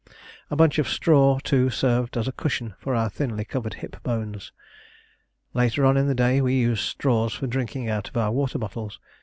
A bunch of straw, too, served as a cushion for our thinly covered hip bones. Later on in the day we used straws for drinking out of our water bottles.